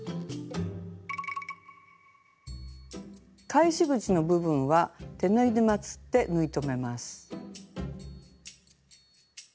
返し口の部分は手縫いでまつって縫い留めます。